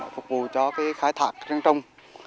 phục vụ cho cái khai thác rừng trồng